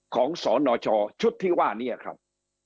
สนชชุดที่ว่านี้ครับ